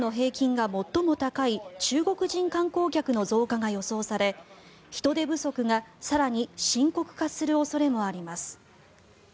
今後は購入額の平均が最も高い中国人観光客の増加が予想され人手不足が更に深刻化する恐れもあります。